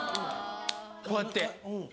こうやって。